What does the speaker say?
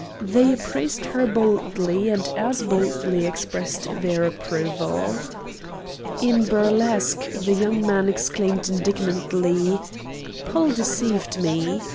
They appraised her boldly and as boldly expressed their approval. In burlesque the young man exclaimed indignantly: "Paul deceived me!"